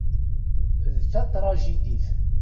D tatrajdidit.